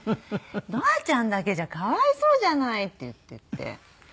「ノアちゃんだけじゃかわいそうじゃない」って言っていて。